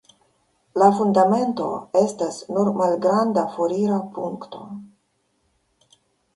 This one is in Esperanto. La fundamento estas nur malgranda forira punkto.